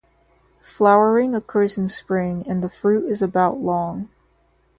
Flowering occurs in spring and the fruit is about long.